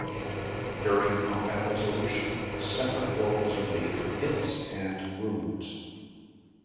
During combat resolution, separate rolls are made for "hits" and "wounds.